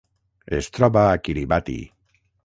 Es troba a Kiribati.